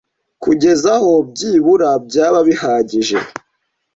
kugeza aho byibura byaba bihagije